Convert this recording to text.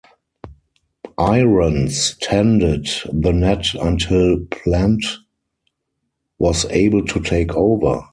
Irons tended the net until Plante was able to take over.